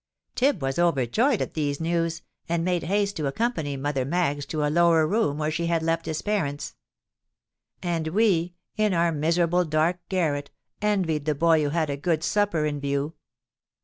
Tib was overjoyed at these news, and made haste to accompany Mother Maggs to a lower room where she had left his parents; and we, in our miserable dark garret, envied the boy who had a good supper in view.